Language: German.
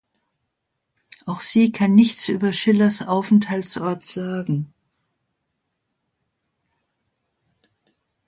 Auch kann sie nichts über Schillers Aufenthaltsort sagen.